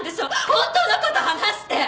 本当の事話して！